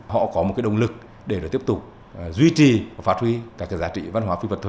họ có một cái động lực để tiếp tục duy trì và phát huy các giá trị văn hóa phi vật thể